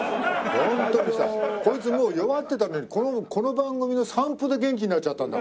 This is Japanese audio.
ホントにさこいつもう弱ってたのにこの番組の散歩で元気になっちゃったんだから。